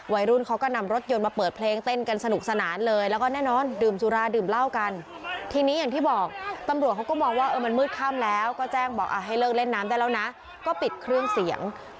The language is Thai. วัยรุ่นเขาก็นำรถยนต์มาเปิดเพลงเต้นกันสนุกสนานเลย